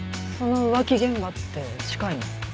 その浮気現場って近いの？